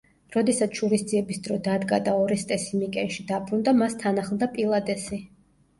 როდესაც შურისძიების დრო დადგა და ორესტესი მიკენში დაბრუნდა, მას თან ახლდა პილადესი.